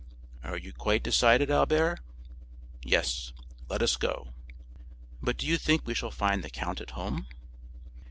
"Are you quite decided, Albert?" "Yes; let us go." "But do you think we shall find the count at home?"